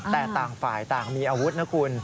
แต่ต่างฝ่ายต่างมีอาวุธนะคุณ